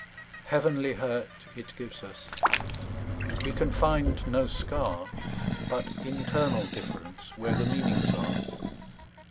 Heavenly hurt it gives us; We can find no scar, But internal differenceWhere the meanings are.